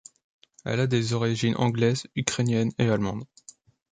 Elle a des origines anglaises, ukrainienne et allemande.